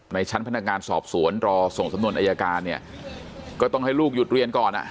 ในชั้นพนักงานสอบสวนรอส่งสำนวนอายการเนี่ยก็ต้องให้ลูกหยุดเรียนก่อนอ่ะ